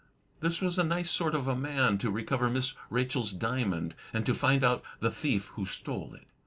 This was a nice sort of a man to recover Miss Rachel's Diamond, and to find out the thief who stole it!